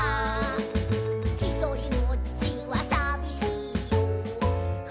「ひとりぼっちはさびしいよ」